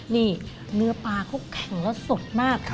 นี่เนื้อปลาเขาแข็งแล้วสดมาก